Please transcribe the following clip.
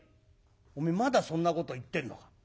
「おめえまだそんなこと言ってんのか。